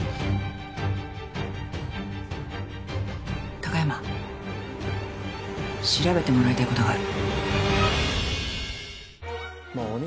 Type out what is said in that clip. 貴山調べてもらいたいことがある。